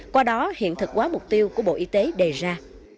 qua đó hiện thực quá mục tiêu của bộ y tế đề ra